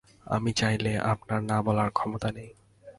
আমি চাইলে, আপনার না বলার ক্ষমতা নেই।